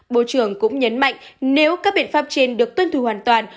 bộ trưởng cũng nhấn mạnh nếu các biện pháp trên được tuân thủ hoàn toàn